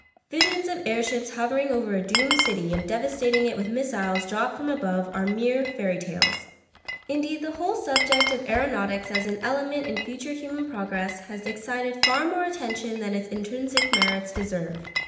Visions of air ships hovering over a doomed city and devastating it with missiles dropped from above are mere fairy tales. Indeed the whole subject of aeronautics as an element in future human progress has excited far more attention than its intrinsic merits deserve.